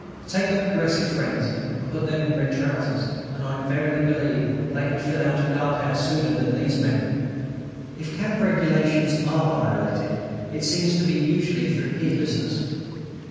Take the "Progressive Friends" and put them in red trousers, and I verily believe they would fill a guard house sooner than these men. If camp regulations are violated, it seems to be usually through heedlessness.